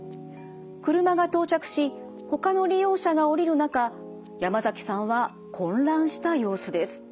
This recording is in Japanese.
車が到着しほかの利用者が降りる中山崎さんは混乱した様子です。